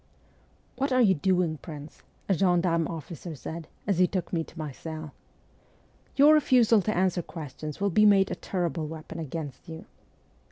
' What are you doing, prince ?' a gendarme officer said, as he took me to my cell. 'Your refusal to answer questions will be made a terrible weapon against you.'